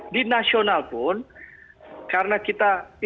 di nasional pun karena kita